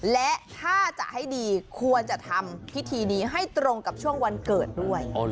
และถ้าจะให้ดีควรจะทำพิธีนี้ให้ตรงกับช่วงวันเกิดด้วย